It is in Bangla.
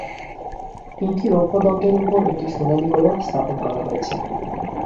তিনটি রৌপ্য দণ্ডের উপর একটি সোনালী গোলক স্থাপন করা হয়েছে।